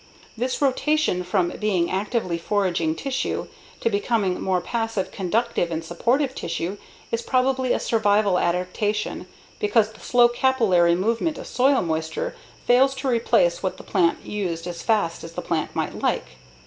This rotation from being actively foraging tissue to becoming more passive conductive and supportive tissue is probably a survival adaptation, because the slow capillary movement of soil moisture fails to replace what the plant used as fast as the plant might like.